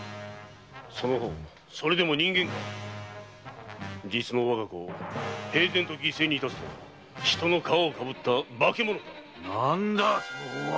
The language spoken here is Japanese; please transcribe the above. その方それでも人間か実の我が子を平然と犠牲に致すとは人の皮をかぶった化け物か何だその方は？